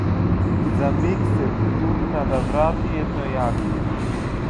За миг се втурна да врати едно јагне.